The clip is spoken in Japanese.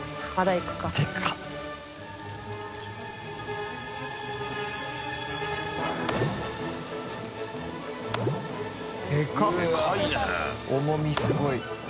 作間）重みすごい。